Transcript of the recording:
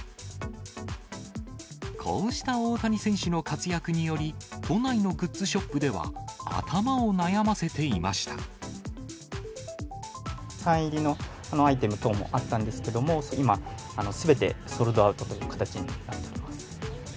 こうした大谷選手の活躍により、都内のグッズショップでは、サイン入りのアイテム等もあったんですけども、今、すべてソールドアウトという形になっております。